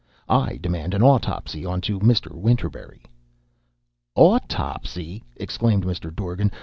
I demand an autopsy onto Mr. Winterberry." "Autopsy!" exclaimed Mr. Dorgan.